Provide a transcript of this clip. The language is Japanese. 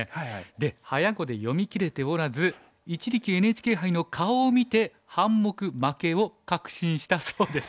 で早碁で読みきれておらず一力ＮＨＫ杯の顔を見て半目負けを確信したそうです。